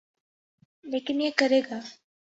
لیکن یہ کرے گا۔